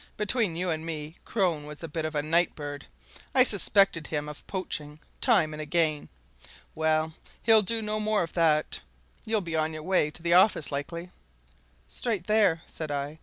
Between you and me, Crone was a bit of a night bird I've suspected him of poaching, time and again. Well, he'll do no more of that! You'll be on your way to the office, likely?" "Straight there," said I.